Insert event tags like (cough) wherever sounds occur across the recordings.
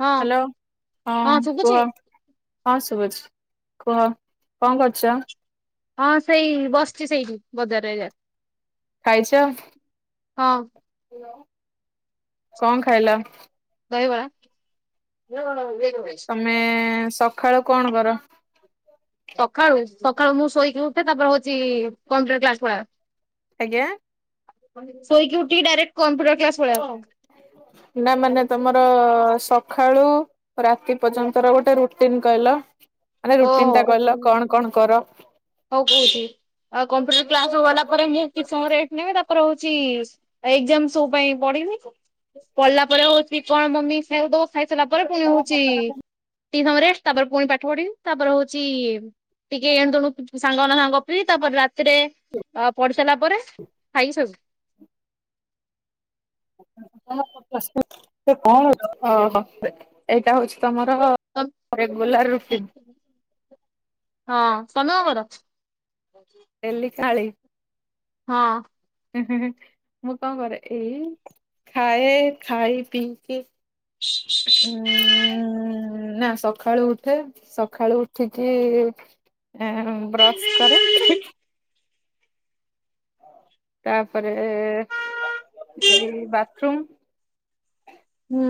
ହଁ ହ୍ୟାଲୋ ହଁ କୁହ। ହଁ ଶୁଭୁଛି କୁହ କଣ କରୁଛ? ହଁ ସେଇ ବସିଛି ସେଇଠି ବଜାରରେ ଯା ଖାଇଛ ହଁ କଣ ଖାଇଲ? ଦହିବରା (unintelligible) ନେ ସକାଳୁ କଣ କର? ସଖାଳୁ ସଖାଳୁ ମୁଁ ଶୋଇକି ଉଠେ ତାପରେ ହଉଛି କମ୍ପୁଟର କ୍ଲାସ ପଳାଏ। ଆଜ୍ଞା। ସୋଇକି ଉଠିକି ଡାଇରେକ୍ଟ କମ୍ପ୍ୟୁଟର କ୍ଲାସ ପଳାଏ। ନା ମାନେ ତମର ସଖାଳୁ ରାତି ପର୍ଯ୍ୟନ୍ତର ଗୋଟେ ରୁଟିନ କହିଲ ମାନେ ଓହୋ ରୁଟିନ ଟା କହିଲ କଣ କଣ କର। ହଉ କହୁଉଠି ଆଉ କମ୍ପୁଟର କ୍ଲାସ ଗଲା ପରେ ମୁଁ କିଛି ସମୟ ରେଷ୍ଟ ନେବି ତାପରେ ହଉଛି ଏଗଜାମ ସବୁ ପାଇଁ ପଡିବି ପଢିଲା ପରେ ହଉଛି କଣ ମମି ଖାଇବାକୁ ଦବ ଖାଇ ସାରିଲା ପରେ ପୁଣି ହଉଛି ଟିକେ ସମୟ ରେଷ୍ଟ ତାପରେ ପୁଣି ପାଠ ପଢିବି। ତାପରେ ହଉଛି ଟିକେ ଏଣୁ ତଣୁ ସାଙ୍ଗମାନଙ୍କ ସହ ଗପିବି ତାପରେ ରାତିରେ ଆଉ ପଢି ସାରିଲା ପରେ ଖାଇକି ସବୁ ଓହୋ ଏଇଟା ହଉଛି ତମର ହଁ ରେଗୁଲାର ରୁଟିନ। ହଁ ତମେ କଣ କର? ଡେଲି କାଳି। ହଁ ହୁଁ ହୁଁ ହୁଁ ମୁଁ କଣ କରେ ଏଇ ଖାଏ ଖାଇ ପିଇକି ଉଁ ନା ସଖାଳୁ ଉଠେ ସଖାଳୁ ଉଠିକି ଏ ବ୍ରଶ କରେ ତାପରେ ଏଇ ବାଥରୁମ୍ ହୁଁ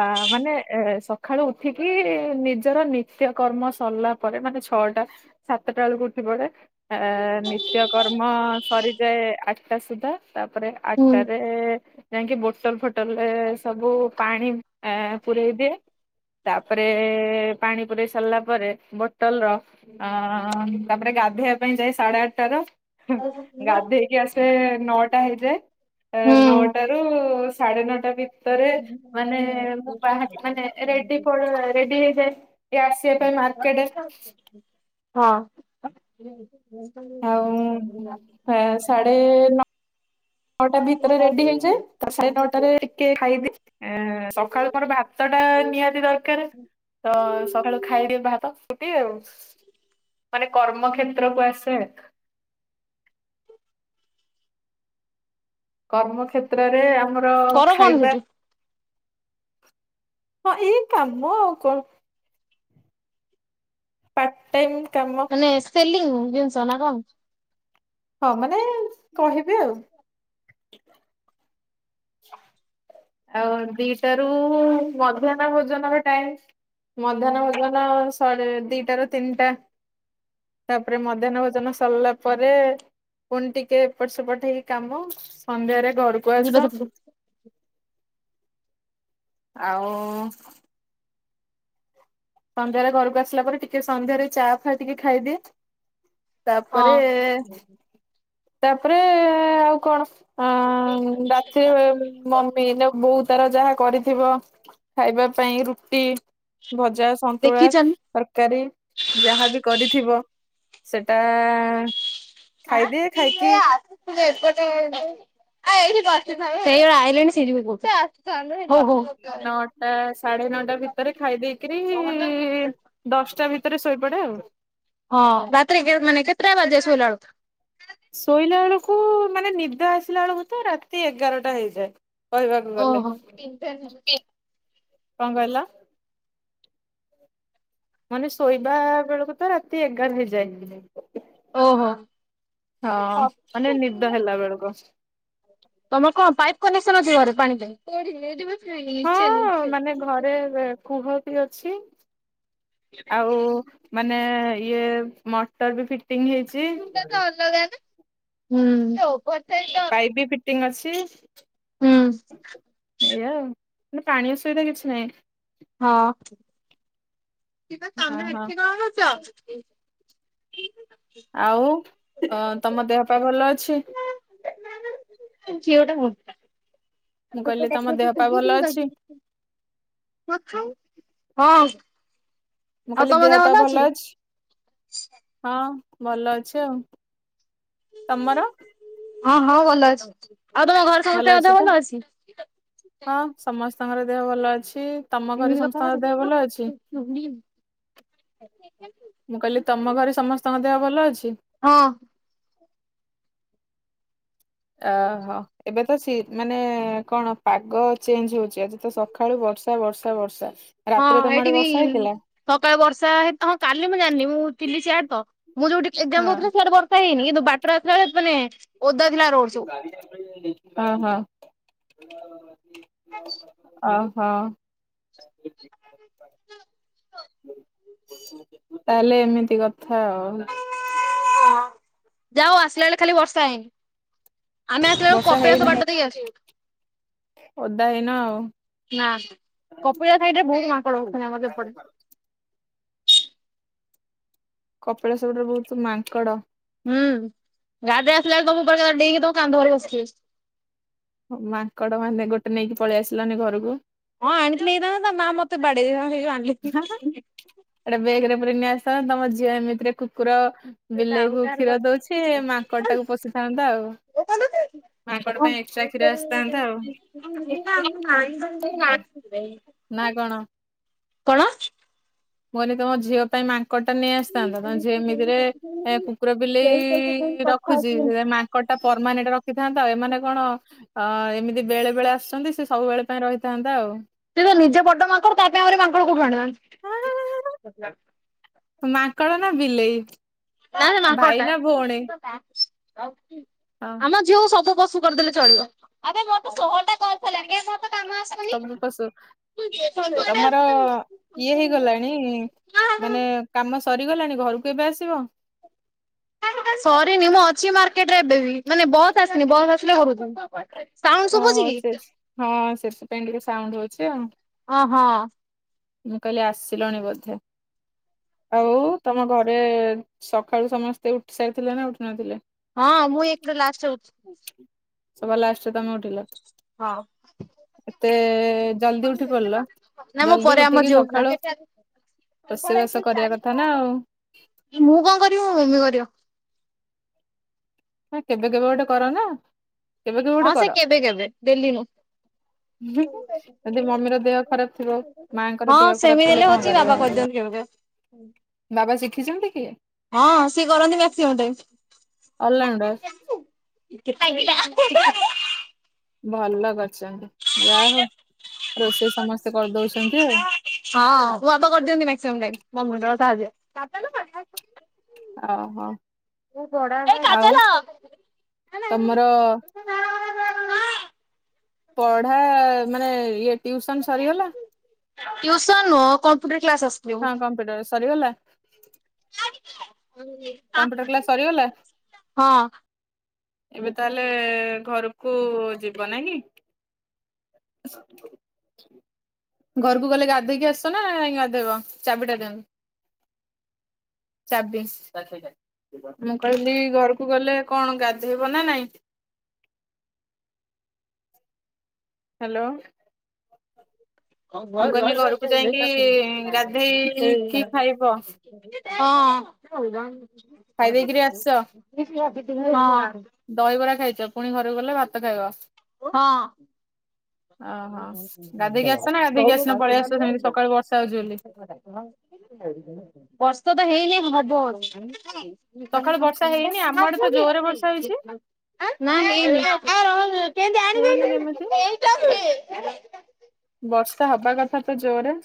ଅ ମାନେ ଏ ସକାଳୁ ଉଠିକି ନିଜର ନିତ୍ୟକର୍ମ ସରିଲା ପରେ ମାନେ ଛଅଟା ସାତଟା ବେଳକୁ ଉଠିପଡ଼େ। ଆ ନିତ୍ୟକର୍ମ ସରିଯାଏ ଆଠଟା ସୁଦ୍ଧା ତାପରେ ହୁଁ ଆଟାରେ ଯାଇକି ବୋଟଲ ଫୋଟଲ ରେ ସବୁ ପାଣି ପରେଇ ଦିଏ। ତାପରେ ପାଣି ପୁରାଇ ସାରିଲା ପରେ ବୋଟଲ ର ଅ ତାପରେ ଗାଧୋଇବା ପାଇଁ ଯାଇ ସାଢେ ଆଠଟା ର ହୁଁ। ଗାଧେଇକି ଆସେ ନଅଟା ହେଇଯାଏ ହଁ। ନଅଟା ଉ ସାଢେ ନଅଟା ଭିତରେ ମାନେ ମୁଁ ବା ମେ ରେଡି ରେଡି ହେଇଯାଏ ଆସିବା ପାଇଁ ମାର୍କେଟ ହଁ। ହ ସାଢ଼େ ନଅ ନଅଟା ଭିତରେ ରେଡି ହେଇଯାଏ। ସ ସାଢେ ନଅଟାରେ ଟିକେ ଖାଇଦି ସକାଳୁ ମୋର ଭାତ ଟା ନିହାତି ଦରକାର। ତ ସକାଳୁ ଖାଇଦି ଭାତ ଫୁଟି ଆଉ। ମାନେ କର୍ମକ୍ଷେତ୍ରକୁୁ ଆସେ। କର୍ମ କ୍ଷେତ୍ରରେ ଆମର କର କଣ ଖାଇବା। ସେଠି ହଁ ଏଇ କାମ ଆଉ କଣ। ପାର୍ଟ ଟାଇମ୍ କାମ। ମାନେ ସେଲିଙ୍ଗ ଜିନିଷ ନା କଣ? ହଁ ମାନେ କହିବି ଆଉ। ଆଉ ଦିଟାରୁ ମଧ୍ୟାହ୍ନ ଭୋଜନର ଟାଇମ ମଧ୍ୟାହ୍ନ ଭୋଜନ ଶେ ଦିଟାରୁ ତିନିଟା ତାପରେ ମଧ୍ୟାହ୍ନ ଭୋଜନ ସରିଲା ପରେ ପୁଣି ଟିକେ ଏପଟ ସେପଟ ହେଇକି କାମ ସନ୍ଧ୍ୟାରେ ଘରକୁ ଆସ। ହଁ ଆଉ ସନ୍ଧ୍ୟାରେ ଘରକୁ ଆସିଲା ପରେ ଟିକେ ସନ୍ଧ୍ୟାରେ ଚା ଫା ଟିକେ ଖାଇଦିଏ। ତାପରେ ତାପରେ ଆଉ କଣ? ହଁ ରାତିରେ ମମି ନା ବୋଉ ତାର ଯାହା କରିଥିବ। ଖାଇବା ପାଇଁ ରୁଟି, ଭଜା, ସନ୍ତୁଳା ଦେଖିଛନ୍ତି ତରକାରୀ। ଯାହାବି କରିଥିବ ସେଟା ଖାଇଦିଏ ଖାଇକି (inaudible) ଚା ନଅଟା ସାଢେ ନଅଟା ଭିତରେ ଖାଇ ଦେଇକିରି ଦଶଟା ଭିତରେ ଶୋଇପଡେ ଆଉ। ହଁ ରାତିରେ ମାନେ କେତଟା ବାଜେ ଶୋଇଲାାଲ ବଳକୁ? ଶୋଇଲା ବେଳକୁ ମାନେ ନିଦ ଆସିଲା ବେଳକୁ ତ ରାତି ଏଗାରଟା ହେଇଯାଏ। କହିବାକୁ ଗଲେ ଓହୋ କଣ କହିଲା? ମାନେ ଶୋଇବା ବେଳକୁ ତ ରାତି ଏଗାର ହେଇଯାଇନି। ଓହୋ ହଁ ମାନେ ନିଦ ହେଲା ବେଳକୁ। ତମର କଣ ପାଇପ୍ କନେକ୍ସନ ଅଛି ଘରେ ପାଣି ପାଇଁ? ହଁ ମାନେ ଘରେ କୁହ। ଅଛି। ଆଉ ମାନେ ଇଏ ମଟର ବି ଫିଟିଙ୍ଗ ହେଇଛି ମୁଟା ତ ଅଲଗା ନା। ପାଇପ୍ ବି ଫିଟିଙ୍ଗ ଅଛି। ଏଇଆଉ ମେ ପାଣି ଅସୁବିଧା କିଛି ନାହିଁ। ହଁ। ଶିବା ହଁ ତମେ ହଁ ଏଠି କଣ କରୁଛ? ଆଉ ତମ ଦେହ ପା ଭଲ ଅଛି? ଝିଅଟା ମ ମୁଁ କହିଲି ତମ ଦେହ ପା ଭଲ ଅଛି? ହଁ। ମୁଁ କହିଲି ଦେହ ପା ଭଲ ଅଛି? ହଁ ଭଲ ଅଛି ଆଉ। ତମର? ହଁ ହଁ ଭଲ ଅଛି ଆଉ ତମ ଘର ସମସ୍ତଙ୍କ ଦେହ ଭଲ ଅଛି? ହଁ ସମସ୍ତଙ୍କର ଦେହ ଭଲ ଅଛି। ତମ ଘରେ ଏମିତି କଥା ସମସ୍ତଙ୍କର କରେ ଦେହ ଭଲ ଅଛି? ମୁଁ କହିଲି ତମ ଘରେ ସମସ୍ତଙ୍କ ଦେହ ଭଲ ଅଛି? ହଁ। ଅହୋ ଏବେ ତ ସି ମାନେ କଣ ପାଗ ଚେଞ୍ଜ ହଉଚି ଆଜି ତ ସକାଳୁ ବର୍ଷା ବର୍ଷା ବର୍ଷା। ହଁ ରାତିରେ ତମ ଏଇଠି ଆଡେ ବି ବର୍ଷା ହେଇଥିଲା? ସକାଳେ ବର୍ଷା ହେ ହଁ କାଲି ମୁଁ ଜାଣିନି ମୁଁ ଥିଲି ସିଆଡ ତ ମୁଁ ଯୋଉଠି ଏକ୍ସାମ୍ ହଁ ଦଉଥିଲି ସେଆଡେ ବ ହେଇନି କିନ୍ତୁ ବାଟରେ ଆସିଲା ବେଳେ ମାନେ ଓଦା ଥିଲା ରୋଡ ସବୁ। ହଁ ହଁ। ଓହୋ। ତାହେଲେ ଏମିତି କଥା ଆଉ। ଯା ହଉ ଆସିଲା ବେଳେ ଖାଲି ବର୍ଷା ହେଇନି। ଆମେ ଆସିଲା ବେଳକୁ ବର୍ଷା କପିଳାସ ହେଇନି ବାଟ ଦେଇକି ଆସିଲୁ। ଓଦା ହେଇନ ଆଉ ନା କପିଳା ସାଇଡରେ ବହୁତ ମାଙ୍କଡ ଅଛନ୍ତି ଆମପଟେ। କପଳାସ ପଟେ ବହୁତ ମାଙ୍କଡ। ହୁଁ ଗାଡିରେ ଆସିଲା ବଳେ ସବୁ କହିବେ ଡେଇକି ତ କାନ୍ଧ ଉପରେ ବସିବେ। ମାଙ୍କଡ ମାନେ ଗୋଟେ ନେଇକି ପଳେଇ ଆସିଲାନି ଘରକୁ। ହଁ ଆଣିଥିଲି ହେଇଥାନ୍ତା ମାଆ ମତେ (unintelligible) ଗୋଟେ ବେଗରେ ପୂରେଇକି ନେଇ ଆସିଥାନ୍ତ ତମ ଝିଅ ଏମିତିରେ କୁକୁର ବିଲେଇ କୁ କ୍ଷୀର ଦଉଛି ମାଙ୍କଡ ଟାକୁ ପୋଷିଥାନ୍ତା ଆଉ। ମାଙ୍କଡ ପାଇଁ ଏକ୍ସଟ୍ରା କ୍ଷୀର ଆସିଥାନ୍ତା ଆଉ। ନା କଣ? କଣ? ମୁଁ କହିଲି ତମ ଝିଅ ପାଇଁ ମାଙ୍କଡ ଟା ନେଇଆସିଥାନ୍ତ ତମ ଝିଅ ଏମିତିରେ ଏ କୁକୁର ବିଲେଇ ରଖୁଛି ସେଥ ମାଙ୍କଡଟା ପରମାନେଣ୍ଟ ରଖ ରଖିଥାନ୍ତ। ଏମାନେ କଣ ଏ ଏମିତି ବେଳେ ବେଳେ ଆସୁଛନ୍ତି ସେ ସବୁବେଳେ ପାଇଁ ରହିଥାନ୍ତା ଆଉ। ସେତ ନିଜେ ବଡ ମାଙ୍କଡ ତା ପାଇଁ ଆହୁରି ମାଙ୍କଡ କୋଉଠି ଆଣିଥାନ୍ତି। ମାଙ୍କଡ଼ ନା ବିଲେଇ? ନା ନା ଭାଇ ମାଙ୍କଡ଼ଟା ନା ଭଉଣୀ ହଁ ଆମ ଝିଅକୁ ସବୁ ପଶୁ କରିଦେଲେ ଚଳିବ। (unintelligible) ତମର ଇଏ ହେଇଗଲାଣି ମାନେ କାମ ସରିଗଲାଣି ଘରକୁ ଏବେ ଆସିବ। ସରିନି ମୁଁ ଅଛି ମାର୍କେଟରେ ଏବେ ବି ମାନେ ବସ୍ ଆସିନି ବସ୍ ଆସିଲେ (unintelligible) ସାଉଣ୍ଡ ଓହୋ ଶୁଭୁଛି ସେ କି? ହଁ ସେଥି ପାଇଁ ଟିକେ ସାଉଣ୍ଡ ହଉଛି ଆଉ। ହଁ ହଁ ମୁଁ କହିଲି ଆସିଲଣି ବୋଧେ। ଆଉ ତମ ଘରେ ସକାଳୁ ସମସ୍ତେ ଉଠି ସାରିଥିଲେ ନା ଉଠୁ ନଥିଲେ। ହଁ ମୁଁ ଏକା ଲାଷ୍ଟରେ ଉଠି ସବା ଲାଷ୍ଟ ରେ ତମେ ଉଠିଲ? ହ ଏତେ ଜଲଦି ଉଠି ପଡିଲ? ନା ମୋ ଜଲଦି ପରେ ଆମ ଉଠିକି ଝିଅ ଉଠିଲା ସକାଳୁ ରୋଷେଇବାସ କରିବା କଥା ନା ଆଉ। ମୁଁ କଣ କରିବି ମୋ ମମି କରିବ। କେବେ କେବେ ଗୋଟେ କର ନା? କେବେ କେବେ ଗୋଟେ ହଁ କର। ସେ କେବେ କେବେ ଡେଲି ନୁ ଯଦି ମମିର ଦେହ ଖରାପ ଥିବ ମାଆଙ୍କର ହଁ ଦେହ ଖରାପ ସେମିତି ଥିଲେ ହେଲେ କଣ ହୋଉଛି କରିବ ବାବା କରିଦିଅନ୍ତ (unintelligible) ବାବା ଶିଖିଛନ୍ତି କି? ହଁ ସିଏ କରନ୍ତି ମାକ୍ସିମମ୍ ଟାଇମ୍। ଅଲରାଉଣ୍ଡର (inaudible) ଭଲ କରିଛନ୍ତି ଯାହା ହଉ ରୋଷେଇ ସମସ୍ତେ କରିଦଉଚନ୍ତି ଆଉ। ହଁ ମୋ ବାପା କରିଦିଅନ୍ତି ମାକ୍ସିମମ୍ ଟାଇମ୍ ମୋ ମୁଣ୍ଡ (unintelligible) ଓହୋ ଆଉ ତମର (inaudible) ପଢା ମାନେ ଇଏ ଟ୍ୟୁସନ ସରିଗଲା? ଟ୍ୟୁସନ ନୁହଁ କମ୍ପ୍ୟୁଟର କ୍ଲାସ୍ ଆସ ହଁ କମ୍ପ୍ୟୁଟର ସରିଗଲା। (unintelligible) କମ୍ପ୍ୟୁଟର କ୍ଲାସ୍ ସରିଗଲା। ହଁ ଏବେ ତାହେଲେ ଘରକୁ ଯିବ ନାଇଁକି। ଘରକୁ ଗଲେ ଗାଧେଇକି ଆସିଚନା ଗାଧେଇବ, ଚାବିଟା ଦିଅନ୍ତୁ। ଚାବି ମୁଁ କହିଲି ଘରକୁ ଗଲେ କଣ ଗାଧେଇବ ନା ନାଇଁ? ହାଲୋ କହିଲି ଘରକୁ ଯାଇକି (unintelligible) ଗାଧେଇକି ଖାଇବ ହଁ ଖାଇ ଦେଇକିରି ଆସିଛ ହଁ ଦହିବରା ଖାଇଚ ପୁଣି ଘରକୁ ଗଲେ ଭାତ ଖାଇବ। ହଁ। ଓହୋ ଗାଧେଇକି ଆସିଛ ନା ଗାଧେଇକି ଆସିନ ପଳେଇ ଆସିଛ ସେମିତି ସକାଳୁ ବର୍ଷା ହଉଛି ବୋଲି (unintelligible) ବର୍ଷା ତ ହେଇନି ହବ ବଧେ। ସକାଳୁ ବର୍ଷା ହେଇନି ଆମ ଆଡେ ତ ଜୋରରେ ବର୍ଷା ହେଇଛି (unintelligible) ହେଇନି କେମିତି। (unintelligible) ବର୍ଷା ହବା କଥା ତ ଜୋରେ।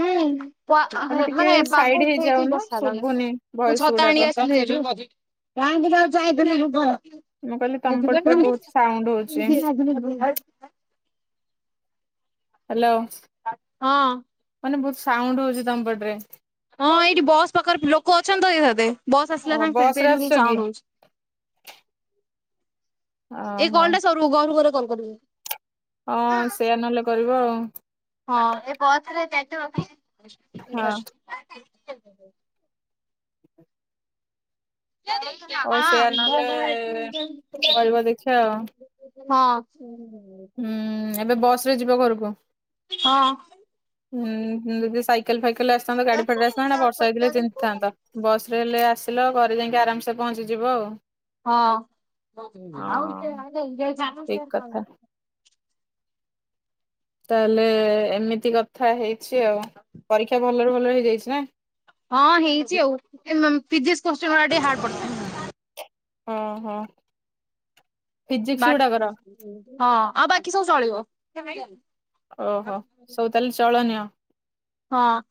ହୁଁ ପା ହଁ ଟିକେ ମାନେ ପାଗ ସାଇଡ ଉଠେଇଚି ହେଇଯାଉନ ବର୍ଷା ପାଗ ଶୁଭୁନି ମୁଁ ଭଏସ ଛତା ଗୁଡାକ ଆଣିଆସ ମୁଁ କହିଲି ତମ (unintelligible) ପଟରେ ବହୁତ ସାଉଣ୍ଡ ହଉଛି (unintelligible) ହ୍ୟାଲୋ। ହଁ। ମାନେ ବହୁତ ସାଉଣ୍ଡ ହଉଛି ତମ ପଟରେ। ହଁ ଏଇଠି ବସ୍ ପାଖରେ ଲୋକ ଅଛନ୍ତି ତ ଏଇ ସାଥେ ବସ୍ ଓ ଆସିଲା ସାଙ୍ଗେ ବସ ସାଙ୍ଗେ ସେଇ ରେ ଯଗୁ ଆସୁଛ କି ସାଉଣ୍ଡ ହଉଚି। ଏ ଓହୋ କଲ୍ ଟା ସରୁ ଘରୁକୁ ଗଲେ କଲ୍ କରିବୁ। ହଁ ସେଇଆା ନହେଲେ କରିବ ଆଉ। ହଁ (inaudible) ହଁ (unintelligible) ହଉ ସେଇଆ ନହେଲେ କରିବା ଦେଖିବା ଆଉ। ହଁ। ହୁଁ ଏବେ ବସ ରେ ଯିବ ଘରକୁ। ହଁ। ହୁଁ ହୁଁ ଯଦି ସାଇକେଲ ଫାଇକେଲ ରେ ଆସିଥାନ୍ତ ଗାଡି ଫାଡିରେ ଆସିଥାନ୍ତ ନା ବର୍ଷା ହେଇଥିଲେ ତିନ୍ତି ଥାନ୍ତ। ବସ ରେ ହେଲେ ଆସିଲ ଘରେ ଯାଇକି ଆରାମସେ ପହଞ୍ଚିଯିବ ଆଉ। ଠିକ କଥା ହଁ। ତାହେଲେ ଏମିତି କଥା ହେଇଚି ଆଉ ପରୀକ୍ଷା ଭଲରେ ଭଲରେ ହେଇଯାଇଚି ନା। ହଁ ହେଇଛି ଆଉ ଏ ମ ଫିଜିକ୍ସ କୋଶ୍ଚେନ ଉଡା ଟିକେ ହାର୍ଡ ପଡ଼ିଥିଲା। ଓଁ ହୋ। ହଁ ଆଉ ବାକି ସବୁ ଚଳିବ। ଓହୋ ସବୁ ତାହେଲେ ଚଳନିଅ। ହଁ।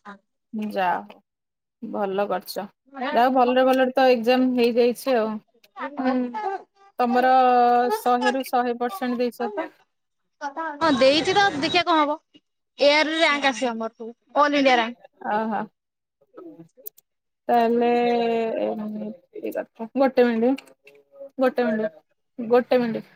ଯା ହୋଉ ଭଲ କରିଚ। ଯାହଉ ଭଲରେ ଭଲରେ ତ ଏକ୍ଜାମ ହେଇଯାଇଚି ଆଉ। ହୁଁ। ତମର ଶହେରୁୁ ଶହେ ପରସେଣ୍ଟ ଦେଇଛ ତ। ହଁ ଦେଇଚି ତ ଦେଖିବା କଣ ହବ ଏୟାର ରେଙ୍କ ଆସିବ ଅହୋ। ଆମର ସବୁ ଅଲ ଇଣ୍ଡିଆ ରିଆଙ୍କ। ଓହୋ। ତାହେଲେ ଏମିତି କଥା ଗୋଟେ ମିନଟ। ଗୋଟେ ମିନିଟ୍ ଗୋଟେ ମିନିଟ୍।